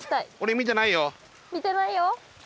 見てないよ。